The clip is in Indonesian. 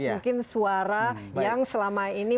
mungkin suara yang selama ini